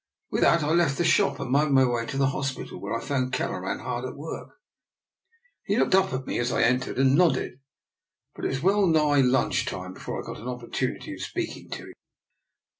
With that I left the shop and made my way to the hospital, where I found Kelleran hard at work. He looked up at me as I en tered, and nodded, but it was well nigh lunch time before I got an opportunity of speaking to him.